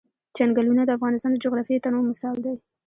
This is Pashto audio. چنګلونه د افغانستان د جغرافیوي تنوع مثال دی.